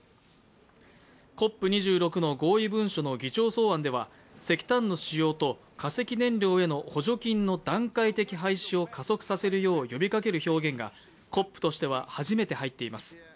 ＣＯＰ２６の合意文書の議長草案では石炭の使用と化石燃料への補助金の段階的廃止を加速させるよう呼びかける表現がＣＯＰとしては初めて入っています。